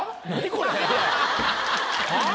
これ。はあ？